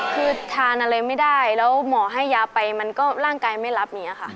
คือทานอะไรไม่ได้แล้วหมอให้ยาไปมันก็ร่างกายไม่รับอย่างนี้ค่ะ